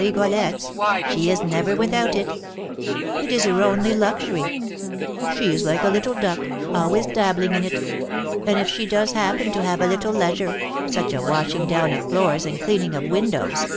Rigolette's, she is never without it; it is her only luxury, she is like a little duck, always dabbling in it; and if she does happen to have a little leisure, such a washing down of floors and cleaning of windows!